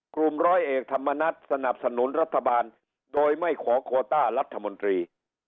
ร้อยเอกธรรมนัฐสนับสนุนรัฐบาลโดยไม่ขอโคต้ารัฐมนตรี